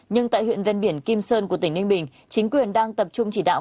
nhưng tại huyện ven biển kim sơn của tỉnh ninh bình chính quyền đang tập trung chỉ đạo